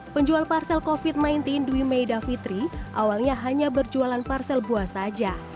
penjual parsel covid sembilan belas dwi meida fitri awalnya hanya berjualan parsel buah saja